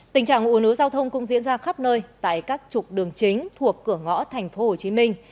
tình trạng un ứ giao thông cũng diễn ra khắp nơi tại các trục đường chính thuộc cửa ngõ thành phố hồ chí minh